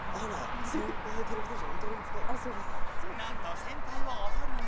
なんと先輩をおとりに。